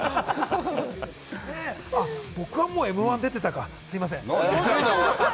僕はもうМ‐１出ていたか、すみません。